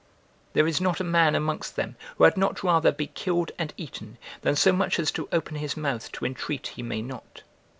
There is not a man amongst them who had not rather be killed and eaten, than so much as to open his mouth to entreat he may not.